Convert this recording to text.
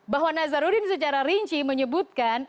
bahwa nazarudin secara rinci menyebutkan